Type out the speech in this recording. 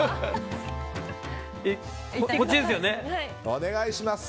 お願いします。